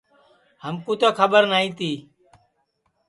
ہمکُو تو کھٻر نائی تی